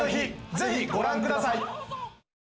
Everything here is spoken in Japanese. ぜひご覧ください